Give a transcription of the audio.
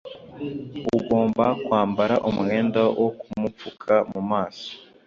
ugomba kwambara umwenda wo kumupfuka mu maso